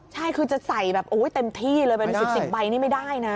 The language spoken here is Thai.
ใช่คือจะใส่แบบเต็มที่เลยเป็น๑๐ใบนี่ไม่ได้นะ